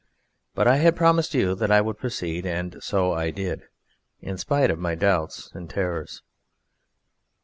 But I had promised you that I would proceed, and so I did, in spite of my doubts and terrors.